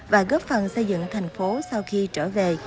và góp phần xây dựng thành phố sau khi trở về